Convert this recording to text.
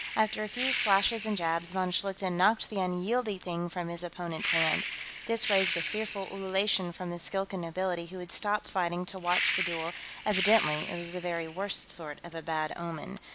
After a few slashes and jabs, von Schlichten knocked the unwieldy thing from his opponent's hand. This raised a fearful ululation from the Skilkan nobility, who had stopped fighting to watch the duel; evidently it was the very worst sort of a bad omen.